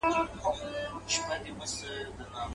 دا د تورزنو د خپلویو ځالۍ.